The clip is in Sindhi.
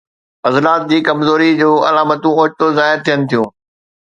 عضلات جي ڪمزوريءَ جون علامتون اوچتو ظاهر ٿين ٿيون